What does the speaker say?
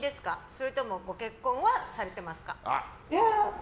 それともご結婚はされてますか？